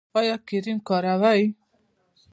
ایا کریم کاروئ؟